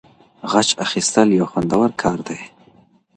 غچ اخیستل یو خوندور کار دی.